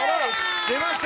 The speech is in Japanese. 出ました